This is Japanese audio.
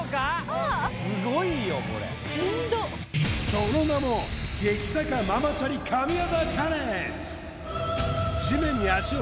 その名も激坂ママチャリ神業チャレンジ